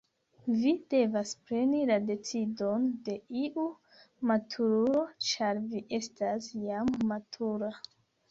Vi devas preni la decidon de iu maturulo, ĉar vi estas jam matura.